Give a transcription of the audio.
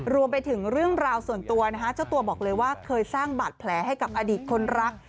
รวมไปถึงเรื่องราวส่วนตัวนะคะเจ้าตัวบอกเลยว่าเคยสร้างบาดแผลให้กับอดีตคนรัก